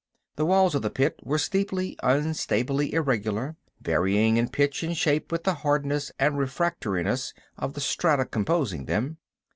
The walls of the pit were steeply, unstably irregular, varying in pitch and shape with the hardness and refractoriness of the strata composing them.